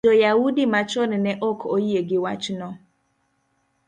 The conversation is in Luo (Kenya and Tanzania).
jo-Yahudi machon ne ok oyie gi wachno.